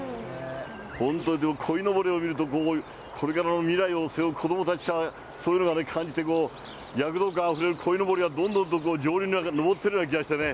本当に、でも、こいのぼり見ると、これからの未来を背負う子どもたちが、そういうのを感じて、躍動感あふれるこいのぼりが、どんどんと上流にのぼってるような気がしてね。